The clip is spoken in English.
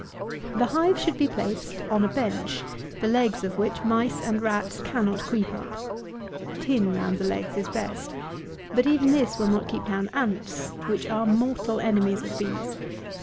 161. The hive should be placed on a bench, the legs of which mice and rats cannot creep up. Tin round the legs is best. But even this will not keep down ants, which are mortal enemies of bees.